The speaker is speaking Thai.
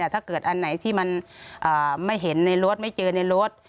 ถ้าเกิดอันไหนที่มันไม่เห็นในรถไม่เจอในรถ